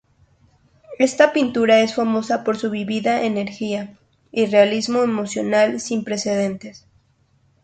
Esta pintura es famosa por su vívida energía y realismo emocional sin precedentes.